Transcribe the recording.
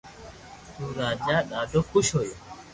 تو راجا ڌادو خوݾ ھويو